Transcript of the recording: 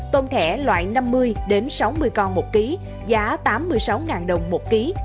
tôm thẻ loại năm mươi sáu mươi con một kg giá tám mươi sáu đồng một kg